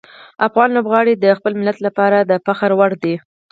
افغان لوبغاړي د خپل ملت لپاره د فخر وړ دي.